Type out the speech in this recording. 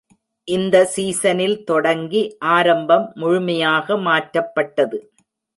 இந்த சீசனில் தொடங்கி ஆரம்பம் முழுமையாக மாற்றப்பட்டது.